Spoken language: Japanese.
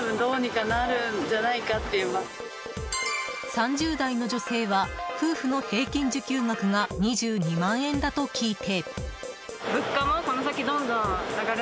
３０代の女性は夫婦の平均受給額が２２万円だと聞いて。